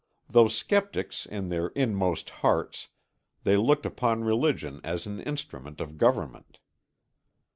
Though sceptics in their inmost hearts, they looked upon religion as an instrument of government.